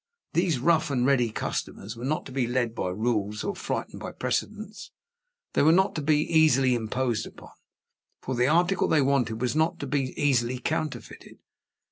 These rough and ready customers were not to be led by rules or frightened by precedents; they were not to be easily imposed upon, for the article they wanted was not to be easily counterfeited.